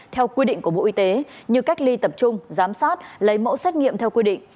theo quy định của bộ y tế như cách ly tập trung giám sát lấy mẫu xét nghiệm theo quy định